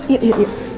yuk yuk yuk